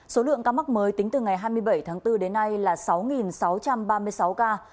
số lượng ca mắc mới tính từ ngày hai mươi bảy tháng bốn đến nay là sáu sáu trăm ba mươi sáu ca